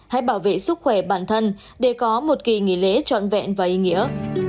hãy bảo vệ sức khỏe bản thân để có một kỳ nghỉ lễ trọn vẹn và ý nghĩa